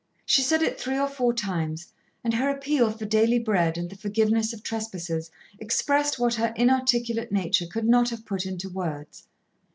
She said it three or four times, and her appeal for daily bread and the forgiveness of trespasses expressed what her inarticulate nature could not have put into words.